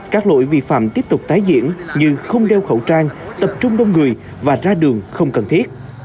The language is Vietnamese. các lỗi vi phạm tiếp tục tái diễn như không đeo khẩu trang tập trung đông người và ra đường không cần thiết